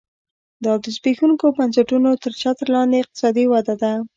دا د زبېښونکو بنسټونو تر چتر لاندې اقتصادي وده ده